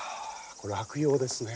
これ落葉ですね。